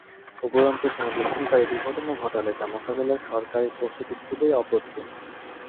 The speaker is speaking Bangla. উপরন্তু কোনো দূষণকারী দুর্ঘটনা ঘটালে তা মোকাবিলায় সরকারি প্রস্তুতি খুবই অপ্রতুল।